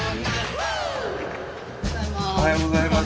おはようございます。